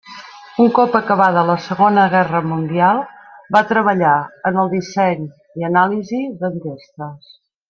Un cop acabada la segona guerra mundial va treballar en el disseny i anàlisi d’enquestes.